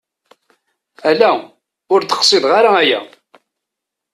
Ala ur d-qsideɣ ara aya!